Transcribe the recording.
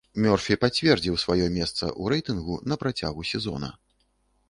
Мёрфі пацвердзіў сваё месца ў рэйтынгу на працягу сезона.